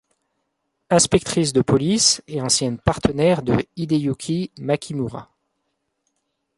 Inspectrice de police et ancienne partenaire de Hideyuki Makimura.